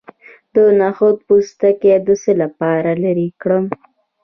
د نخود پوستکی د څه لپاره لرې کړم؟